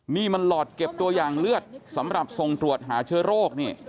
นี่มันหลอดเก็บตัวอย่างเลือดสำหรับส่งตรวจหาเชื้อโรคนี่